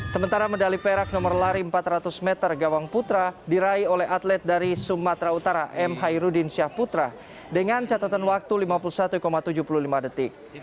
sementara medali perak nomor lari empat ratus meter gawang putra diraih oleh atlet dari sumatera utara m hairudin syahputra dengan catatan waktu lima puluh satu tujuh puluh lima detik